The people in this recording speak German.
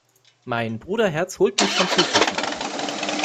Mein Bruderherz holt mich vom Flughafen ab.